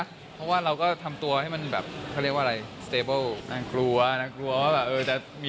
เพราะว่าเราก็ทำตัวให้มันแบบเขาเรียกว่าอะไร